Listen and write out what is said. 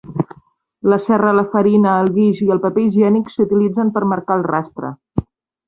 La serra, la farina, el guix i el paper higiènic s'utilitzen per marcar el rastre.